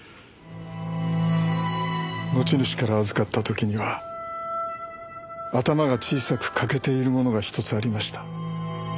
持ち主から預かった時には頭が小さく欠けているものが１つありました。